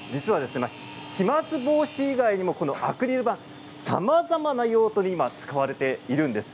飛まつ以外にもアクリル板さまざまな用途に使われているんです。